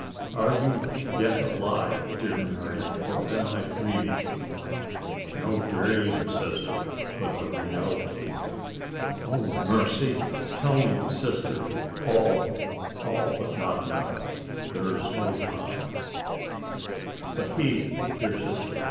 "Are you yet alive, dear Marian? or am I dreaming?" "No dream, sister, but a reality." "O mercy! tell me, sister " "All all but not now there is no time." "But he, dear sister?